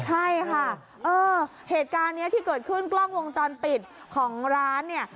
ใช่ค่ะเออเหตุการณ์นี้ที่เกิดขึ้นกล้องวงจรปิดของร้านเนี่ย